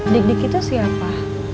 dikdik itu siapa